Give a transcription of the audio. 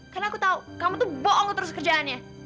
karena aku tahu kamu tuh bohong terus kerjaannya